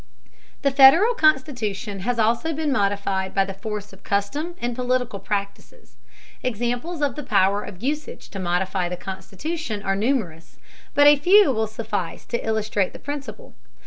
The Federal Constitution has also been modified by the force of custom and political practices. Examples of the power of usage to modify the Constitution are numerous, but a few will suffice to illustrate the principle.